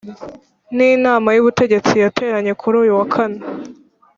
n inama y Ubutegetsi yateranye kuri uyu wa kane